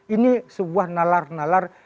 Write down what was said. ini sebuah nalar nalar